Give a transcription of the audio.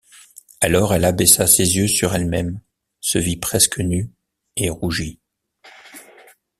Alors elle abaissa ses yeux sur elle-même, se vit presque nue, et rougit.